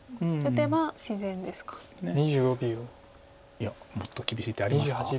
いやもっと厳しい手ありますか？